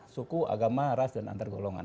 suku agama ras dan antar golongan